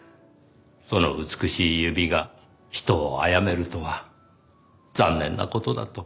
その美しい指が人を殺めるとは残念な事だと。